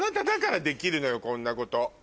こんなこと。